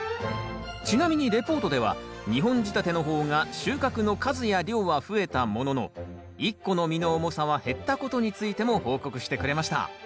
ちなみにレポートでは２本仕立ての方が収穫の数や量は増えたものの１個の実の重さは減ったことについても報告してくれました。